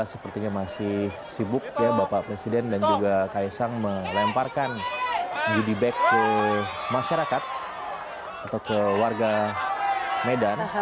sepertinya masih sibuk ya bapak presiden dan juga kaisang melemparkan judi bag ke masyarakat atau ke warga medan